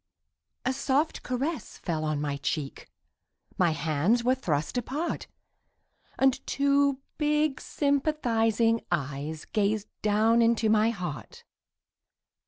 A soft caress fell on my cheek, My hands were thrust apart. And two big sympathizing eyes Gazed down into my heart.